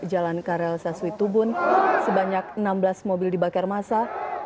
jalan karel saswi tubun sebanyak enam belas mobil dibakar masa